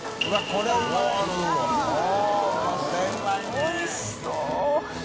おいしそう。